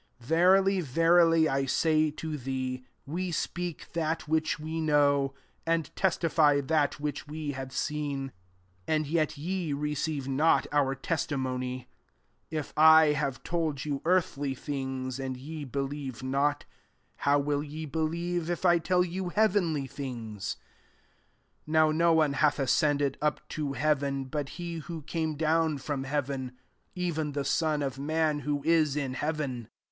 11 Verily, verily, I say to thee,, We speak that which we know, and testify that which we have seen ; and yet ye receive not our testi mony. 12 If I have told you eardily ^ia^ and ye bdieve not ; how will y« believe, if i tell yo>u heavenly things? IS Now no one hath ascended up to heaven, but he who came down tem heaven, evtn the Son of maii^ fwho is in heaven.